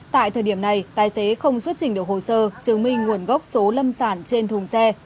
tại thời điểm này tài xế không xuất trình được hồ sơ chứng minh nguồn gốc số lâm sản trên thùng xe